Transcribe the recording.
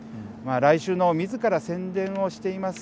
来週のみずから宣伝をしています